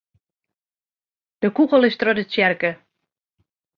De kûgel is troch de tsjerke.